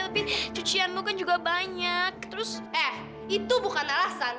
terus eh itu bukan cucian lo kan juga banyak terus eh itu bukan cucian lo kan juga banyak